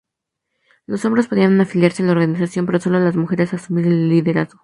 Los hombres podían afiliarse a la organización pero sólo las mujeres asumir el liderazgo.